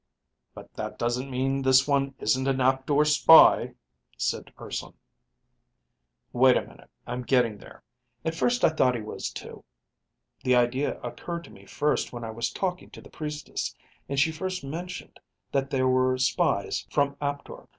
"But that doesn't mean this one isn't an Aptor spy," said Urson. "Wait a minute. I'm getting there. At first I thought he was too. The idea occurred to me first when I was talking to the priestess and she first mentioned that there were spies from Aptor.